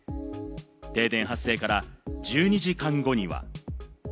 停電発生から１２時間後には。